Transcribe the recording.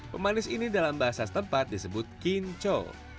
pemanis ini dalam bahasa setempat disebut kinco